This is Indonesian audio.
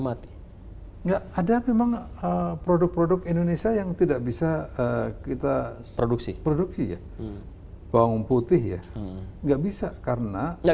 mati enggak ada memang produk produk indonesia yang tidak bisa kita produksi produksi ya bawang putih ya nggak bisa karena